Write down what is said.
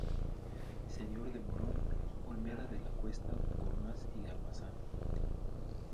Señor de Morón, Olmeda de la Cuesta, Gormaz y Almazán.